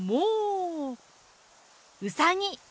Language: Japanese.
うさぎ！